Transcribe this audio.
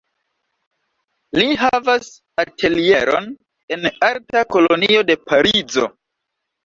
Li havas atelieron en arta kolonio de Parizo.